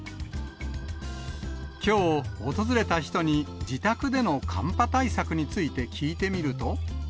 きょう訪れた人に自宅での寒波対策について聞いてみると。